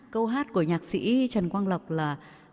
câu hát của nhạc sĩ trần quang lộc là